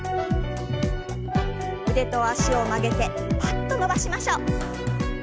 腕と脚を曲げてパッと伸ばしましょう。